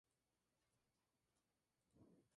Crece mejor en una mezcla muy arenosa.